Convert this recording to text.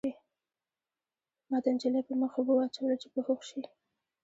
ما د نجلۍ په مخ اوبه واچولې چې په هوښ شي